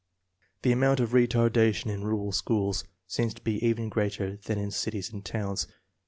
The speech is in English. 1 The amount of retardation in rural schools seems to be even greater than in cities and towns.